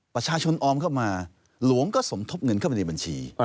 ประชาชนออมเข้ามาหลวงก็สมทบเงินเข้าไปในบัญชี